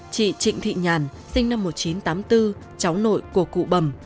chị trịnh thị nhàn sinh năm một nghìn chín trăm tám mươi bốn cháu nội của cụ bầm